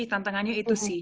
tantangannya itu sih